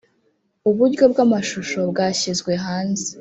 uburyo bw amashusho bwashyizwe hanze